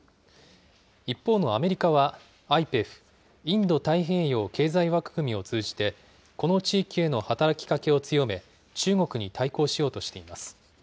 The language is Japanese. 一方のアメリカは、ＩＰＥＦ・インド太平洋経済枠組みを通じて、この地域への働きかけを強め、中国に対抗しようとしています。